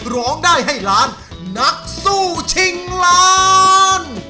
ร้องได้ให้ล้านนักสู้ชิงล้าน